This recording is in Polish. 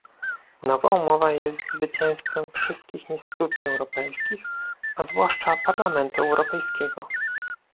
Nowa umowa jest zwycięstwem wszystkich instytucji europejskich, a zwłaszcza Parlamentu Europejskiego